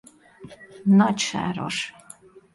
Nagy Sáros.